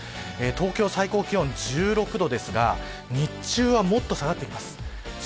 東京、最高気温１６度ですが日中はもっと下がってきます。